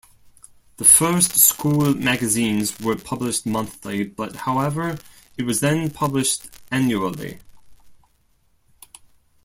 The first school magazines were published monthly but however, it was then published annually.